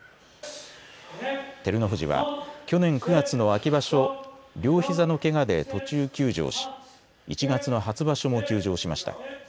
照ノ富士は去年９月の秋場所、両ひざのけがで途中休場し１月の初場所も休場しました。